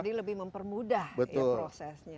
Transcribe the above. jadi lebih mempermudah prosesnya